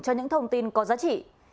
cho những thông tin có giá trị